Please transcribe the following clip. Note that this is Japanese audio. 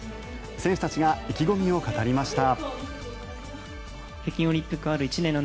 選手たちが意気込みを語りました。